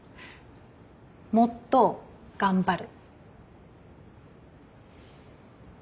もっと頑張る。